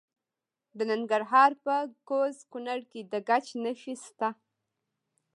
د ننګرهار په کوز کونړ کې د ګچ نښې شته.